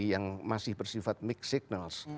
yang masih bersifat make signal